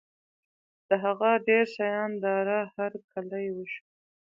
د هغه ډېر شان داره هرکلی وشو.